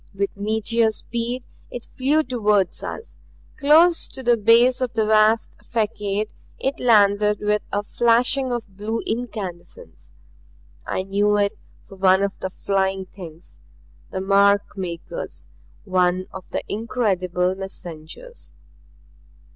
With meteor speed it flew toward us. Close to the base of the vast facade it landed with a flashing of blue incandescence. I knew it for one of the Flying Things, the Mark Makers one of the incredible messengers.